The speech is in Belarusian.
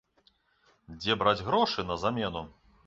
Дзе браць грошы на замену?